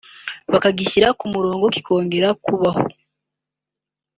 bakagishyira ku murongo kikongera kubaho